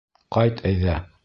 Ҡайт әйҙә!